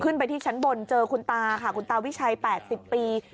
ขึ้นไปที่ชั้นบนเจอคุณตาค่ะคุณตาวิชัยแปดสิบปี